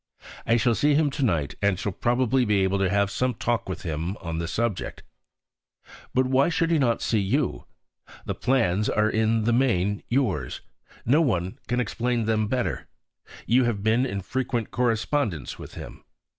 I shall see him to night and shall probably be able to have some talk with him on the subject. But why should not he see you? The plans are in the main yours; no one can explain them better: you have been in frequent correspondence with him.